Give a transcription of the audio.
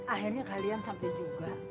akhirnya kalian sampai juga